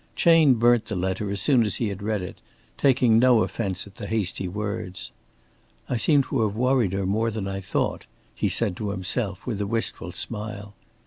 Chayne burnt the letter as soon as he had read it, taking no offence at the hasty words. "I seem to have worried her more than I thought," he said to himself with a wistful smile.